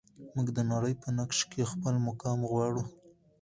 موږ د نړۍ په نقشه کې خپل مقام غواړو.